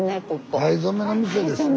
藍染めの店ですね。